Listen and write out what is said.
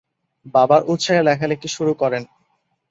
বাবার উৎসাহে লেখালেখি শুরু করেন।